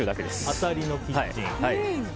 「あたりのキッチン！」。